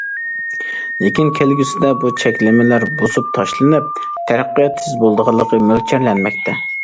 لېكىن كەلگۈسىدە بۇ چەكلىمىلەر بۇزۇپ تاشلىنىپ، تەرەققىيات تېز بولىدىغانلىقى مۆلچەرلەنمەكتە.